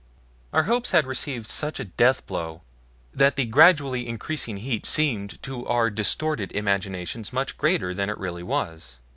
Our hopes had received such a deathblow that the gradually increasing heat seemed to our distorted imaginations much greater than it really was.